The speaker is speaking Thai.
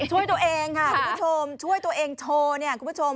ช่วยตัวเองค่ะคุณผู้ชมช่วยตัวเองโชว์เนี่ยคุณผู้ชม